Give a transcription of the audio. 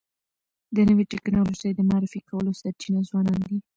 د نوي ټکنالوژۍ د معرفي کولو سرچینه ځوانان دي.